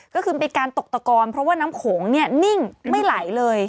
ก็คือเป็นการตกต่อกรณ์เพราะว่าน้ำโขงนิ่งไม่ไหลเลย